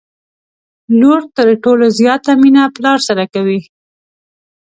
لور تر ټولو زياته مينه پلار سره کوي